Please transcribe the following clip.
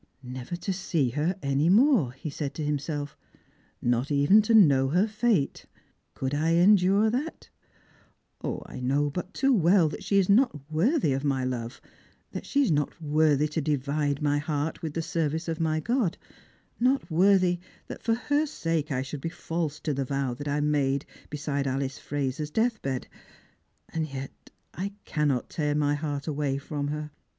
" Never to see her any more," he said to himself; " not even to know her fate ! Gould I endure that P O, I know but too well that she is not worthy of my love, that she is not worthy to divide my heart with the service of my God, not worthy that for her sake Ishouldbefalseto the vow that I made beside Alice Fraser's death bed ; and yet I cannot tear mjr heart away from her.